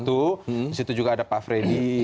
di situ juga ada pak freddy